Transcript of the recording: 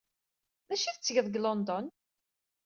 D acu ay tettgeḍ deg London?